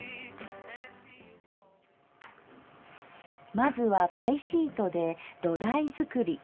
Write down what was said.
まずはパイシートで土台作り。